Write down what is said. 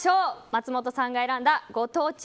松本さんが選んだご当地